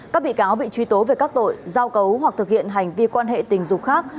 các bị cáo bị truy tố về các tội giao cấu hoặc thực hiện hành vi quan hệ tình dục khác